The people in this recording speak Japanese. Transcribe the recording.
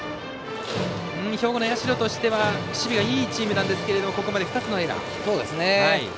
兵庫の社としては守備はいいチームなんですけどここまで２つのエラー。